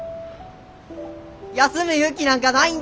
休む勇気なんかないんだ。